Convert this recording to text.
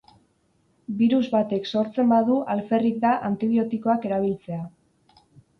Birus batek sortzen badu alferrik da antibiotikoak erabiltzea.